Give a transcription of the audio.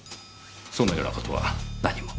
そのような事は何も。